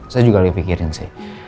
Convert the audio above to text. saya juga lebih pikirin sih